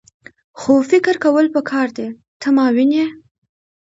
خو فکر کول پکار دي . ته ماوینې؟